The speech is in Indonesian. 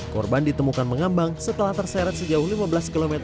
korban ditemukan mengambang setelah terseret sejauh lima belas km